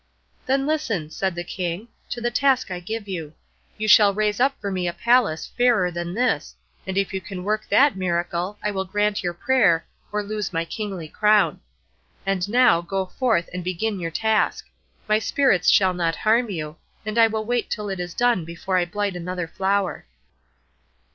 "Then listen," said the King, "to the task I give you. You shall raise up for me a palace fairer than this, and if you can work that miracle I will grant your prayer or lose my kingly crown. And now go forth, and begin your task; my Spirits shall not harm you, and I will wait till it is done before I blight another flower."